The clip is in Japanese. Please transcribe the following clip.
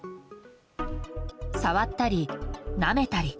触ったり、なめたり。